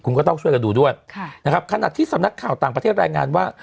คุณก็ต้องช่วยกันดูด้วยนะครับขณะที่สำนักข่าวต่างประเทศรายงานว่า